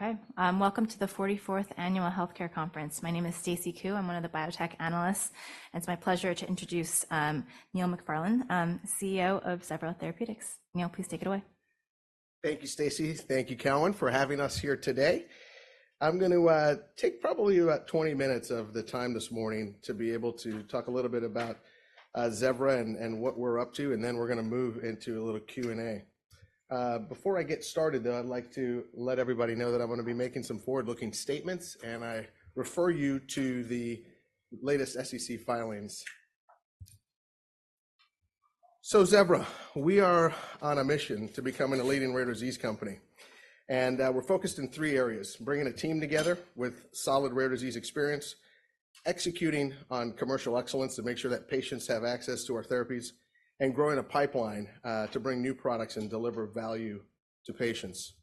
Okay, welcome to the 44th annual healthcare conference. My name is Stacy Ku. I'm one of the biotech analysts, and it's my pleasure to introduce Neil McFarlane, CEO of Zevra Therapeutics. Neil, please take it away. Thank you, Stacy. Thank you, Cowen, for having us here today. I'm going to take probably about 20 minutes of the time this morning to be able to talk a little bit about Zevra and what we're up to, and then we're going to move into a little Q&A. Before I get started, though, I'd like to let everybody know that I'm going to be making some forward-looking statements, and I refer you to the latest SEC filings. So, Zevra, we are on a mission to become a leading rare disease company, and we're focused in three areas: bringing a team together with solid rare disease experience, executing on commercial excellence to make sure that patients have access to our therapies, and growing a pipeline to bring new products and deliver value to patients.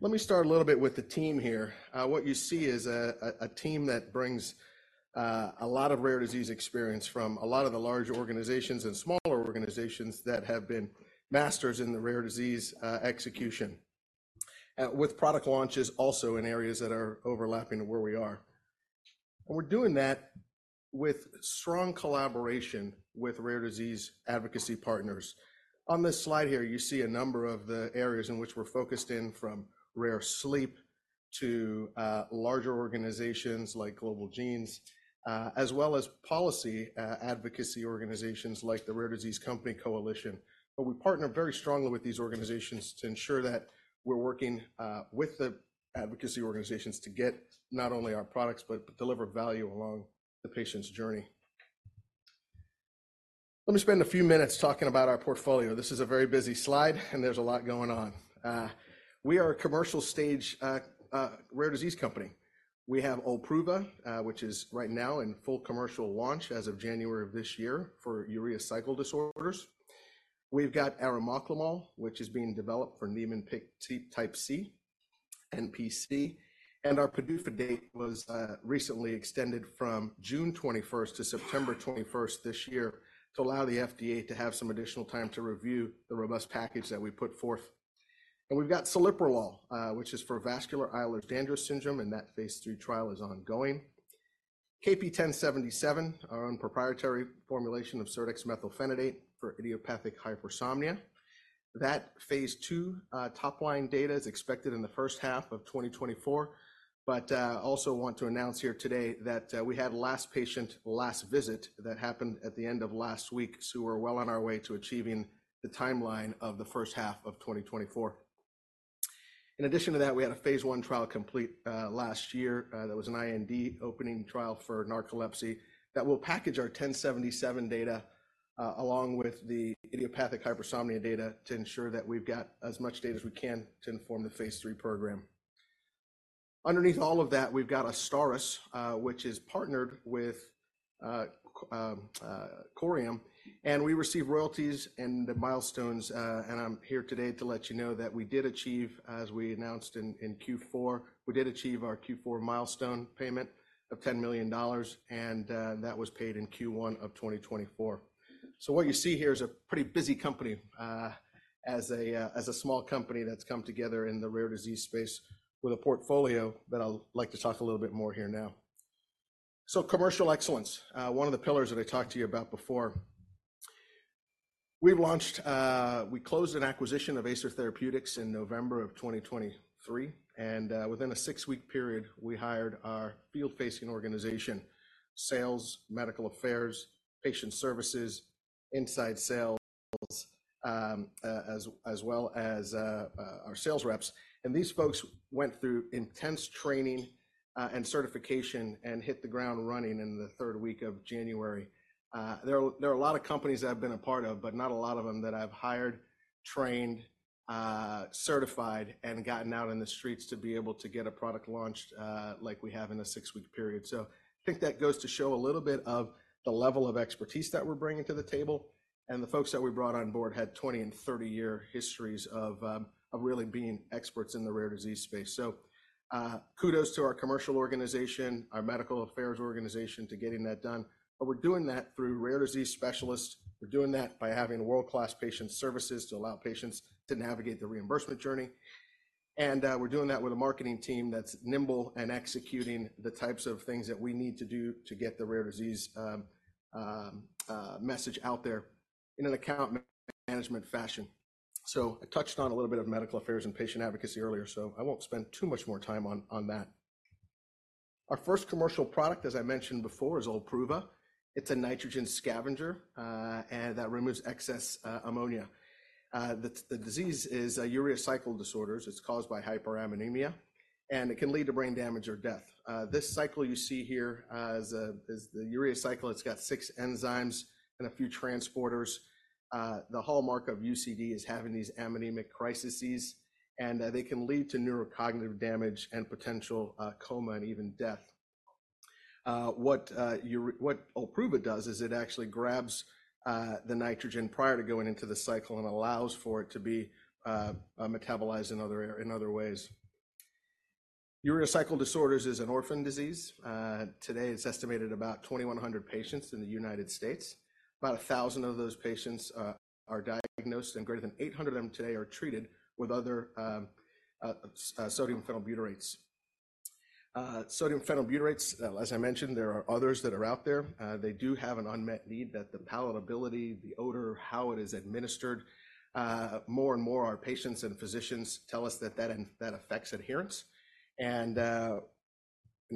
Let me start a little bit with the team here. What you see is a team that brings a lot of rare disease experience from a lot of the large organizations and smaller organizations that have been masters in the rare disease execution, with product launches also in areas that are overlapping to where we are. We're doing that with strong collaboration with rare disease advocacy partners. On this slide here, you see a number of the areas in which we're focused in, from rare sleep to larger organizations like Global Genes, as well as policy advocacy organizations like the Rare Disease Company Coalition. We partner very strongly with these organizations to ensure that we're working with the advocacy organizations to get not only our products but deliver value along the patient's journey. Let me spend a few minutes talking about our portfolio. This is a very busy slide, and there's a lot going on. We are a commercial-stage, rare disease company. We have OLPRUVA, which is right now in full commercial launch as of January of this year for urea cycle disorders. We've got arimoclomol, which is being developed for Niemann-Pick disease type C, NPC, and our PDUFA date was recently extended from June 21st to September 21st this year to allow the FDA to have some additional time to review the robust package that we put forth. And we've got celiprolol, which is for vascular Ehlers-Danlos syndrome, and that phase III trial is ongoing. KP1077, our own proprietary formulation of serdexmethylphenidate for idiopathic hypersomnia. That phase II top-line data is expected in the H1 of 2024, but also want to announce here today that we had last patient last visit that happened at the end of last week, so we're well on our way to achieving the timeline of the H1 of 2024. In addition to that, we had a phase I trial complete last year. That was an IND-opening trial for narcolepsy that will package our 1077 data, along with the idiopathic hypersomnia data to ensure that we've got as much data as we can to inform the phase III program. Underneath all of that, we've got AZSTARYS, which is partnered with Corium, and we receive royalties and the milestones, and I'm here today to let you know that we did achieve, as we announced in Q4, we did achieve our Q4 milestone payment of $10 million, and that was paid in Q1 of 2024. So what you see here is a pretty busy company, as a small company that's come together in the rare disease space with a portfolio that I'd like to talk a little bit more here now. So commercial excellence, one of the pillars that I talked to you about before. We've launched, we closed an acquisition of Acer Therapeutics in November of 2023, and, within a six-week period, we hired our field-facing organization, sales, medical affairs, patient services, inside sales, as, as well as, our sales reps, and these folks went through intense training, and certification and hit the ground running in the third week of January. There are, there are a lot of companies that I've been a part of, but not a lot of them that I've hired, trained, certified, and gotten out in the streets to be able to get a product launched, like we have in a six-week period. So I think that goes to show a little bit of the level of expertise that we're bringing to the table, and the folks that we brought on board had 20- and 30-year histories of, of really being experts in the rare disease space. So, kudos to our commercial organization, our medical affairs organization to getting that done, but we're doing that through rare disease specialists. We're doing that by having world-class patient services to allow patients to navigate the reimbursement journey, and we're doing that with a marketing team that's nimble and executing the types of things that we need to do to get the rare disease message out there in an account management fashion. So I touched on a little bit of medical affairs and patient advocacy earlier, so I won't spend too much more time on that. Our first commercial product, as I mentioned before, is OLPRUVA. It's a nitrogen scavenger, and that removes excess ammonia. The disease is urea cycle disorders. It's caused by hyperammonemia, and it can lead to brain damage or death. This cycle you see here is the urea cycle. It's got six enzymes and a few transporters. The hallmark of UCD is having these hyperammonemic crises, and they can lead to neurocognitive damage and potential coma and even death. What OLPRUVA does is it actually grabs the nitrogen prior to going into the cycle and allows for it to be metabolized in other ways. Urea cycle disorders is an orphan disease. Today, it's estimated about 2,100 patients in the United States. About 1,000 of those patients are diagnosed, and greater than 800 of them today are treated with other sodium phenylbutyrates. Sodium phenylbutyrates, as I mentioned, there are others that are out there. They do have an unmet need that the palatability, the odor, how it is administered. More and more, our patients and physicians tell us that that affects adherence. In the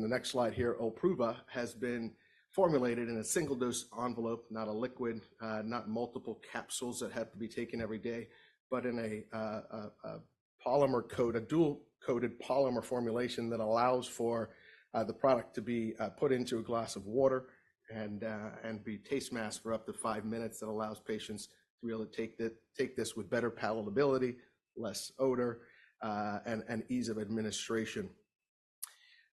next slide here, OLPRUVA has been formulated in a single-dose envelope, not a liquid, not multiple capsules that have to be taken every day, but in a polymer coat, a dual-coated polymer formulation that allows for the product to be put into a glass of water and be taste masked for up to five minutes that allows patients to be able to take this with better palatability, less odor, and ease of administration.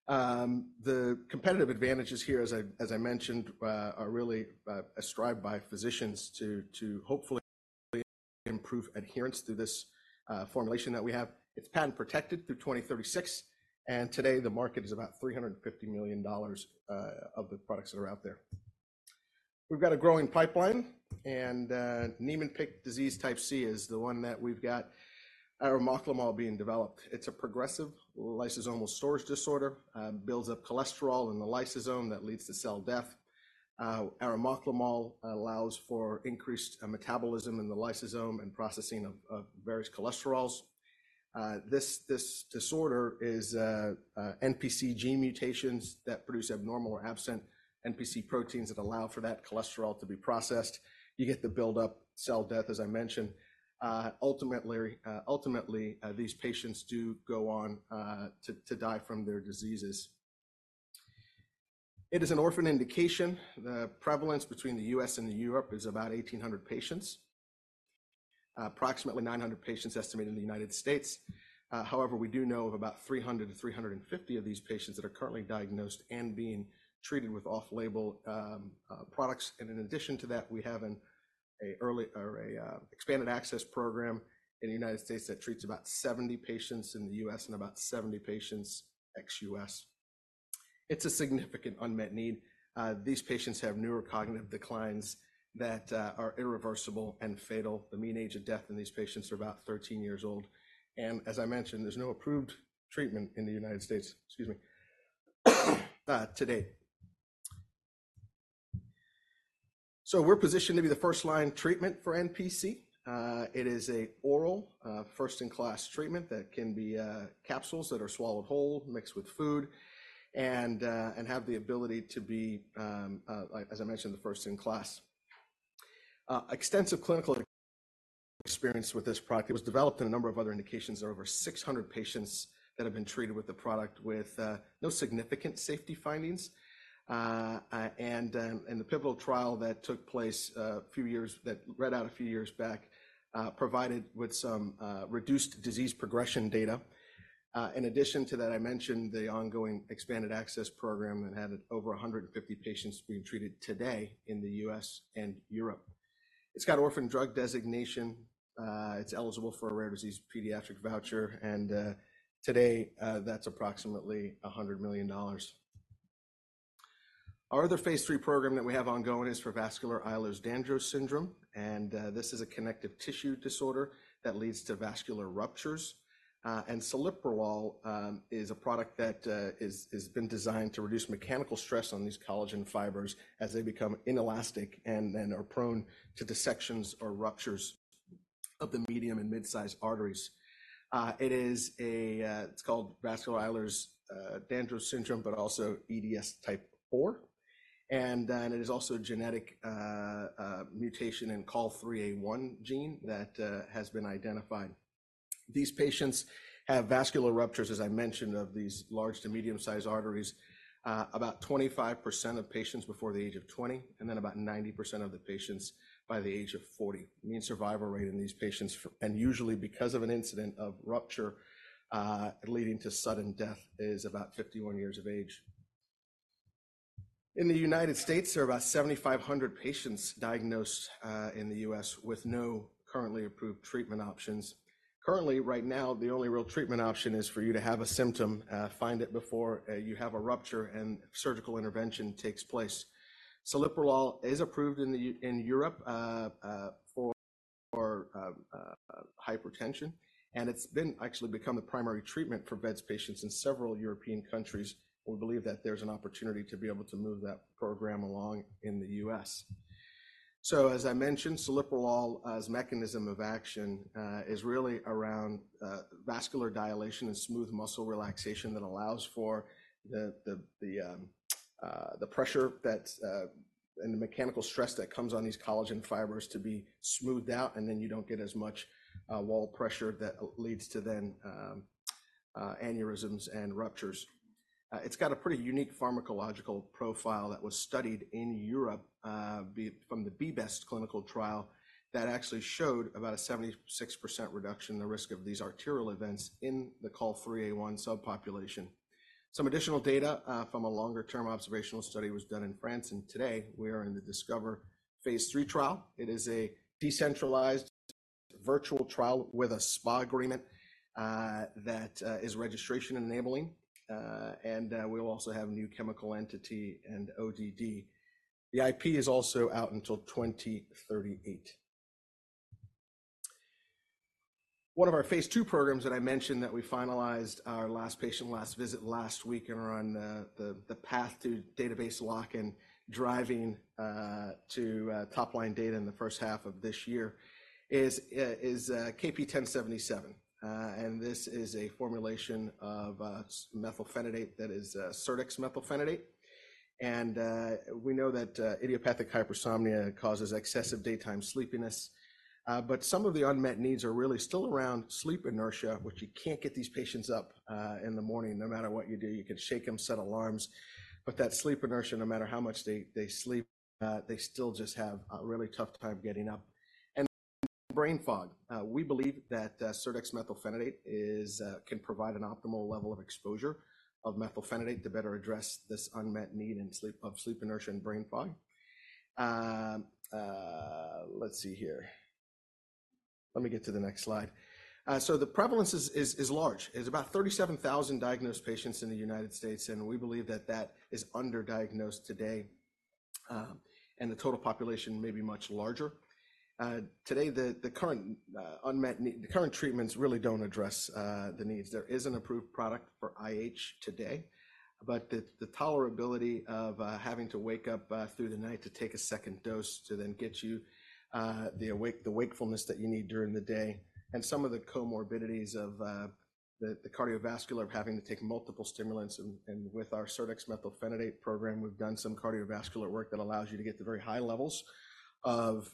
The competitive advantages here, as I mentioned, are really as strived by physicians to hopefully improve adherence through this formulation that we have. It's patent protected through 2036, and today, the market is about $350 million of the products that are out there. We've got a growing pipeline, and Niemann-Pick disease type C is the one that we've got arimoclomol being developed. It's a progressive lysosomal storage disorder, builds up cholesterol in the lysosome that leads to cell death. Arimoclomol allows for increased metabolism in the lysosome and processing of various cholesterols. This disorder is NPC gene mutations that produce abnormal or absent NPC proteins that allow for that cholesterol to be processed. You get the buildup, cell death, as I mentioned. Ultimately, these patients do go on to die from their diseases. It is an orphan indication. The prevalence between the U.S. and Europe is about 1,800 patients, approximately 900 patients estimated in the United States. However, we do know of about 300-350 of these patients that are currently diagnosed and being treated with off-label products. In addition to that, we have an expanded access program in the United States that treats about 70 patients in the U.S. About 70 patients ex-U.S. It's a significant unmet need. These patients have neurocognitive declines that are irreversible and fatal. The mean age of death in these patients is about 13 years old. As I mentioned, there's no approved treatment in the United States, excuse me, to date. So we're positioned to be the first-line treatment for NPC. It is an oral, first-in-class treatment that can be capsules that are swallowed whole, mixed with food, and have the ability to be, as I mentioned, the first-in-class. Extensive clinical experience with this product. It was developed in a number of other indications. There are over 600 patients that have been treated with the product with no significant safety findings. The pivotal trial that took place a few years that read out a few years back provided with some reduced disease progression data. In addition to that, I mentioned the ongoing expanded access program and had over 150 patients being treated today in the U.S. and Europe. It's got Orphan Drug Designation. It's eligible for a rare disease pediatric voucher, and today that's approximately $100 million. Our other phase III program that we have ongoing is for vascular Ehlers-Danlos syndrome, and this is a connective tissue disorder that leads to vascular ruptures. And celiprolol is a product that has been designed to reduce mechanical stress on these collagen fibers as they become inelastic and then are prone to dissections or ruptures of the medium and midsize arteries. It is a—it's called vascular Ehlers-Danlos syndrome but also EDS type 4—and it is also a genetic mutation in COL3A1 gene that has been identified. These patients have vascular ruptures, as I mentioned, of these large to medium-sized arteries, about 25% of patients before the age of 20 and then about 90% of the patients by the age of 40. Mean survival rate in these patients is 48, and usually because of an incident of rupture, leading to sudden death is about 51 years of age. In the United States, there are about 7,500 patients diagnosed in the U.S. with no currently approved treatment options. Currently, right now, the only real treatment option is for you to have a symptom, find it before you have a rupture, and surgical intervention takes place. Celiprolol is approved in Europe for hypertension, and it's actually become the primary treatment for vEDS patients in several European countries. We believe that there's an opportunity to be able to move that program along in the U.S. So as I mentioned, Celiprolol's mechanism of action is really around vascular dilation and smooth muscle relaxation that allows for the pressure and the mechanical stress that comes on these collagen fibers to be smoothed out, and then you don't get as much wall pressure that leads to aneurysms and ruptures. It's got a pretty unique pharmacological profile that was studied in Europe from the best clinical trial that actually showed about a 76% reduction in the risk of these arterial events in the COL3A1 subpopulation. Some additional data from a longer-term observational study was done in France, and today we are in the DISCOVER phase III trial. It is a decentralized virtual trial with a SPA agreement that is registration enabling, and we'll also have a new chemical entity and ODD. The IP is also out until 2038. One of our phase II programs that I mentioned that we finalized our last patient last visit last week and are on the path to database lock and driving to top line data in the H1 of this year is KP1077. And this is a formulation of methylphenidate that is serdexmethylphenidate, and we know that idiopathic hypersomnia causes excessive daytime sleepiness. But some of the unmet needs are really still around sleep inertia, which you can't get these patients up in the morning no matter what you do. You can shake them, set alarms, but that sleep inertia, no matter how much they sleep, they still just have a really tough time getting up. And brain fog. We believe that serdexmethylphenidate can provide an optimal level of exposure of methylphenidate to better address this unmet need in sleep of sleep inertia and brain fog. Let's see here. Let me get to the next slide. So the prevalence is large. It's about 37,000 diagnosed patients in the United States, and we believe that that is underdiagnosed today, and the total population may be much larger. Today, the current unmet need, the current treatments really don't address the needs. There is an approved product for IH today, but the tolerability of having to wake up through the night to take a second dose to then get you the wakefulness that you need during the day and some of the comorbidities of the cardiovascular of having to take multiple stimulants. With our serdexmethylphenidate program, we've done some cardiovascular work that allows you to get the very high levels of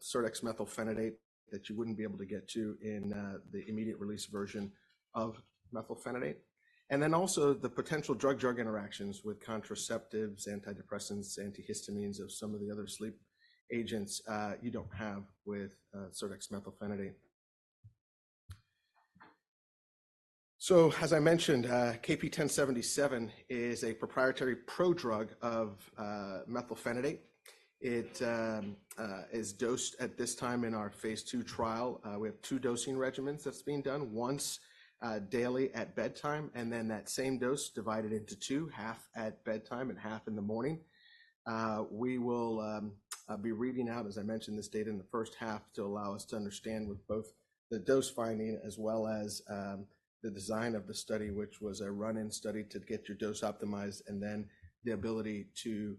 serdexmethylphenidate that you wouldn't be able to get to in the immediate release version of methylphenidate. And then also the potential drug-drug interactions with contraceptives, antidepressants, antihistamines of some of the other sleep agents, you don't have with serdexmethylphenidate. So as I mentioned, KP1077 is a proprietary prodrug of methylphenidate. It is dosed at this time in our phase II trial. We have two dosing regimens that's being done, once daily at bedtime, and then that same dose divided into two, half at bedtime and half in the morning. We will be reading out, as I mentioned, this data in the H1 to allow us to understand with both the dose finding as well as the design of the study, which was a run-in study to get your dose optimized and then the ability to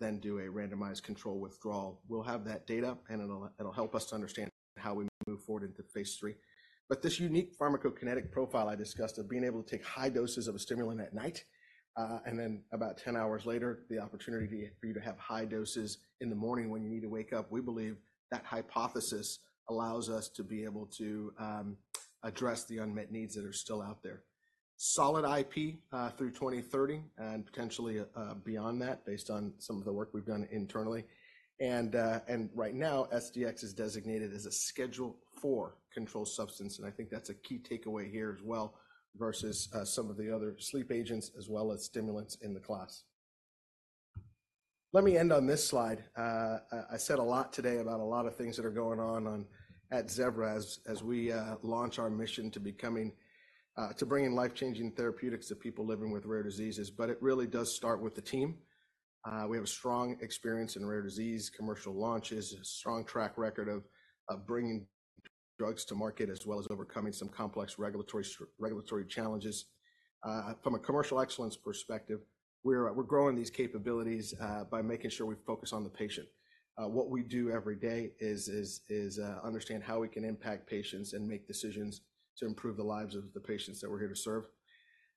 then do a randomized control withdrawal. We'll have that data, and it'll help us to understand how we move forward into phase III. But this unique pharmacokinetic profile I discussed of being able to take high doses of a stimulant at night, and then about 10 hours later, the opportunity for you to have high doses in the morning when you need to wake up, we believe that hypothesis allows us to be able to address the unmet needs that are still out there. Solid IP, through 2030 and potentially beyond that based on some of the work we've done internally. And right now, SDX is designated as a Schedule IV controlled substance, and I think that's a key takeaway here as well versus some of the other sleep agents as well as stimulants in the class. Let me end on this slide. I said a lot today about a lot of things that are going on at Zevra as we launch our mission to becoming to bring life-changing therapeutics to people living with rare diseases, but it really does start with the team. We have a strong experience in rare disease commercial launches, a strong track record of bringing drugs to market as well as overcoming some complex regulatory challenges. From a commercial excellence perspective, we're growing these capabilities by making sure we focus on the patient. What we do every day is understand how we can impact patients and make decisions to improve the lives of the patients that we're here to serve.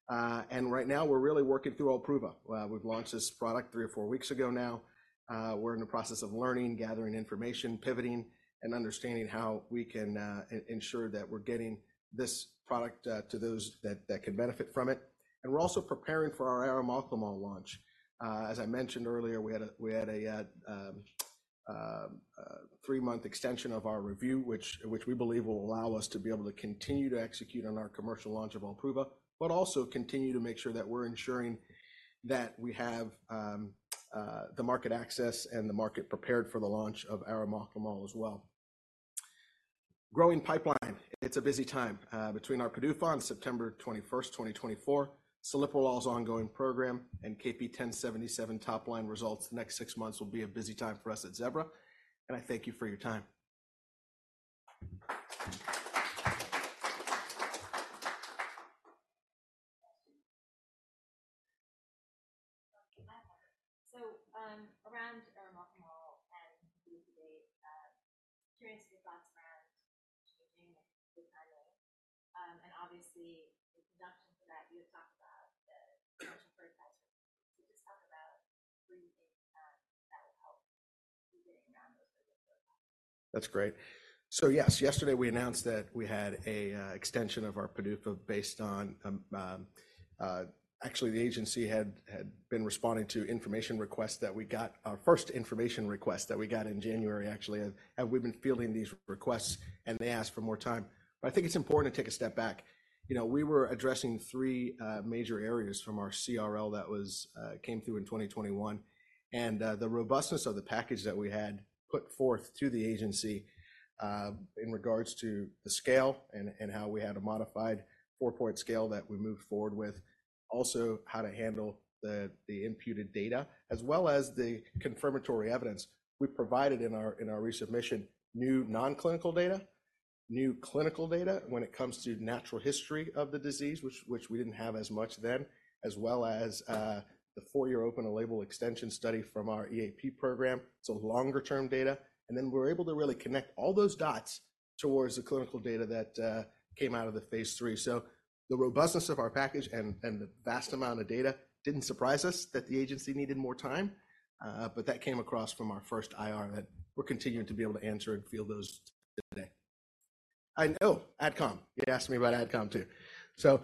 Right now, we're really working through OLPRUVA. We've launched this product 3 or 4 weeks ago now. We're in the process of learning, gathering information, pivoting, and understanding how we can ensure that we're getting this product to those that can benefit from it. We're also preparing for our arimoclomol launch. As I mentioned earlier, we had a 3-month extension of our review, which we believe will allow us to be able to continue to execute on our commercial launch of OLPRUVA but also continue to make sure that we're ensuring that we have the market access and the market prepared for the launch of arimoclomol as well. Growing pipeline. It's a busy time, between our PDUFA on September 21st, 2024, Celiprolol's ongoing program, and KP1077 top line results. The next six months will be a busy time for us at Zevra, and I thank you for your time. So, around arimoclomol and the FDA, curious your thoughts around changing the timing, and obviously in conjunction with that, you had talked about the financial forecasts. So just talk about where you think, that will help you getting around those PDUFA requests. That's great. So yes, yesterday we announced that we had a extension of our PDUFA based on, actually the agency had been responding to information requests that we got our first information request that we got in January, actually, we've been fielding these requests, and they asked for more time. But I think it's important to take a step back. You know, we were addressing 3 major areas from our CRL that was, came through in 2021, and the robustness of the package that we had put forth to the agency, in regards to the scale and how we had a modified 4-point scale that we moved forward with, also how to handle the imputed data as well as the confirmatory evidence we provided in our resubmission, new non-clinical data, new clinical data when it comes to natural history of the disease, which we didn't have as much then, as well as the 4-year open-label extension study from our EAP program. It's a longer-term data, and then we were able to really connect all those dots towards the clinical data that came out of the phase III. So the robustness of our package and the vast amount of data didn't surprise us that the agency needed more time, but that came across from our first IR that we're continuing to be able to answer and field those today. I know Adcom. You asked me about Adcom too. So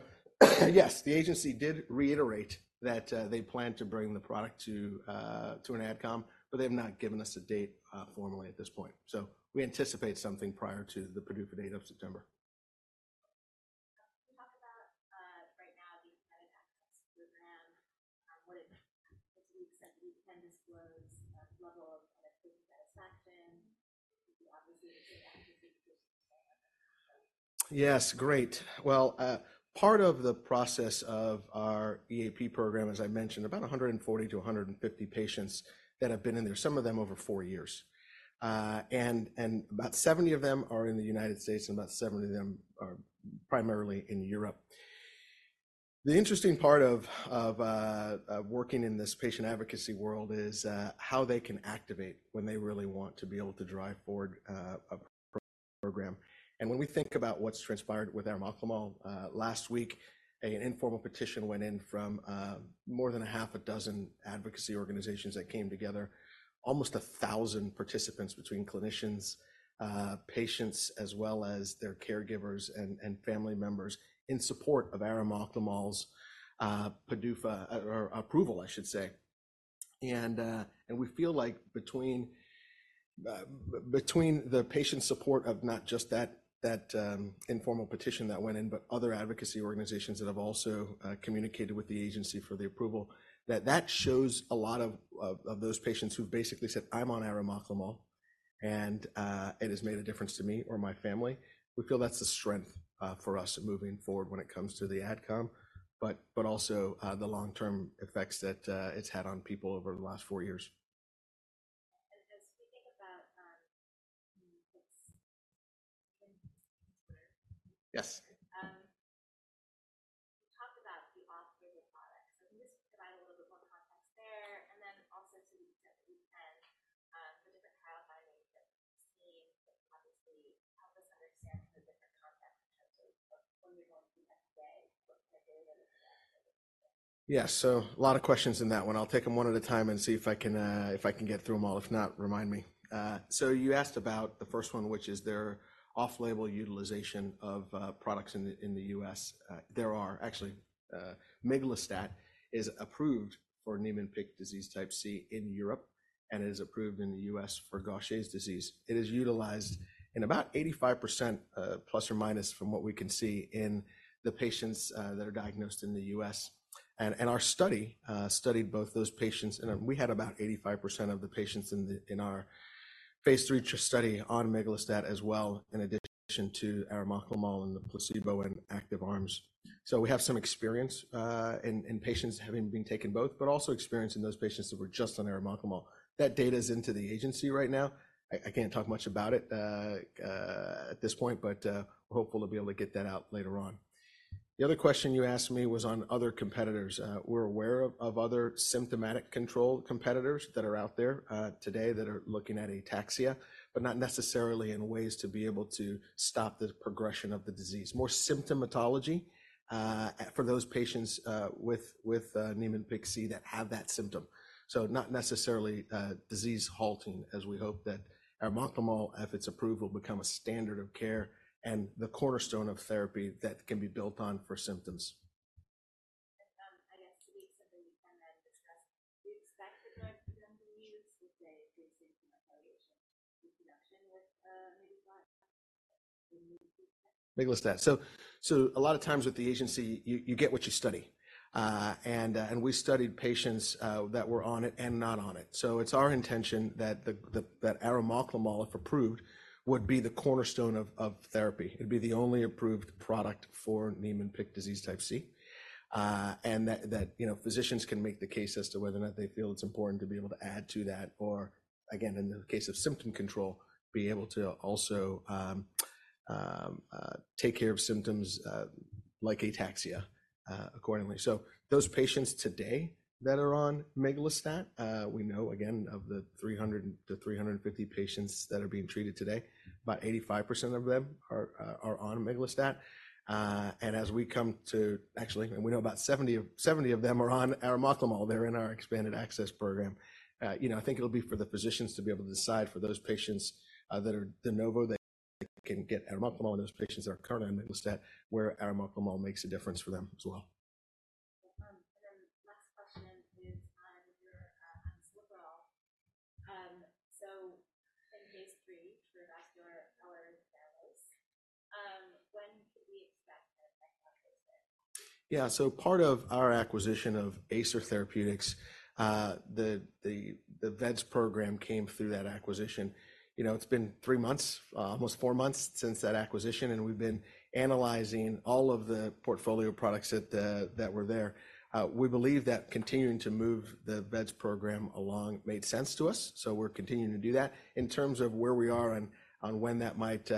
yes, the agency did reiterate that they plan to bring the product to an Adcom, but they have not given us a date, formally at this point. So we anticipate something prior to the PDUFA date of September. We talked about right now the independent access program. What it means to the extent that independence flows, level of medication satisfaction, obviously the same activity for some of the patients. Yes, great. Well, part of the process of our EAP program, as I mentioned, about 140-150 patients that have been in there, some of them over four years. And about 70 of them are in the United States, and about 70 of them are primarily in Europe. The interesting part of working in this patient advocacy world is how they can activate when they really want to be able to drive forward a program. And when we think about what's transpired with arimoclomol last week, an informal petition went in from more than half a dozen advocacy organizations that came together, almost 1,000 participants between clinicians, patients, as well as their caregivers and family members in support of arimoclomol's PDUFA or approval, I should say. We feel like between the patient support of not just that informal petition that went in but other advocacy organizations that have also communicated with the agency for the approval, that shows a lot of those patients who've basically said, "I'm on arimoclomol, and it has made a difference to me or my family." We feel that's the strength for us moving forward when it comes to the Adcom, but also the long-term effects that it's had on people over the last four years. As we think about, let's turn to Twitter. Yes. We talked about the authors of the product. So I think just to provide a little bit more context there and then also to the extent that we can, the different trial findings that we've seen that obviously help us understand kind of different context in terms of what you're going through at the day, what kind of data that is available. Yeah, so a lot of questions in that one. I'll take them one at a time and see if I can get through them all. If not, remind me. So you asked about the first one, which is their off-label utilization of products in the U.S. There are actually miglustat is approved for Niemann-Pick disease type C in Europe, and it is approved in the U.S. for Gaucher disease. It is utilized in about 85% ± from what we can see in the patients that are diagnosed in the U.S. Our study studied both those patients, and we had about 85% of the patients in our phase III study on miglustat as well in addition to arimoclomol and the placebo and active arms. So we have some experience in patients having been taken both but also experience in those patients that were just on arimoclomol. That data's into the agency right now. I can't talk much about it at this point, but we're hopeful to be able to get that out later on. The other question you asked me was on other competitors. We're aware of other symptomatic control competitors that are out there today that are looking at ataxia but not necessarily in ways to be able to stop the progression of the disease, more symptomatology for those patients with Niemann-Pick C that have that symptom. So not necessarily disease halting as we hope that arimoclomol, if it's approved, will become a standard of care and the cornerstone of therapy that can be built on for symptoms. And I guess to be something we can then discuss, do you expect the drug for them to be used with a basic evaluation in production with miglustat? Miglustat. So a lot of times with the agency, you get what you study, and we studied patients that were on it and not on it. So it's our intention that arimoclomol, if approved, would be the cornerstone of therapy. It'd be the only approved product for Niemann-Pick disease type C. and that, you know, physicians can make the case as to whether or not they feel it's important to be able to add to that or, again, in the case of symptom control, be able to also take care of symptoms, like ataxia, accordingly. So those patients today that are on miglustat, we know again of the 300-350 patients that are being treated today, about 85% of them are on miglustat. and we know about 70 of them are on arimoclomol. They're in our expanded access program. You know, I think it'll be for the physicians to be able to decide for those patients that are de novo that they can get arimoclomol and those patients that are currently on miglustat where arimoclomol makes a difference for them as well. And then last question is on your, on celiprolol. So in phase III for vascular Ehlers-Danlos, when could we expect that acquisition? Yeah, so part of our acquisition of Acer Therapeutics, the vEDS program came through that acquisition. You know, it's been 3 months, almost 4 months since that acquisition, and we've been analyzing all of the portfolio products that were there. We believe that continuing to move the vEDS program along made sense to us, so we're continuing to do that in terms of where we are on when that might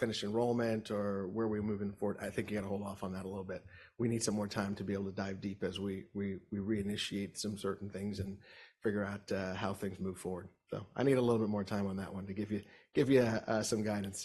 finish enrollment or where we're moving forward. I think you got to hold off on that a little bit. We need some more time to be able to dive deep as we reinitiate some certain things and figure out how things move forward. So I need a little bit more time on that one to give you some guidance.